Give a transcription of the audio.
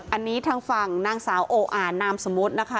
อันนี้ทางฝั่งนางสาวโออ่านนามสมมุตินะคะ